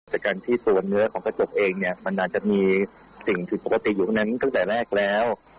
จากการที่ตัวเนื้อของกระจกเองเนี่ยมันอาจจะมีสิ่งผิดปกติอยู่ตรงนั้นตั้งแต่แรกแล้ว